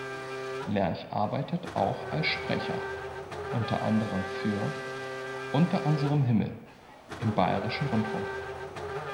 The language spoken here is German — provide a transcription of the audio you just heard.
Lerch arbeitet auch als Sprecher, unter anderem für Unter unserem Himmel im Bayerischen Rundfunk.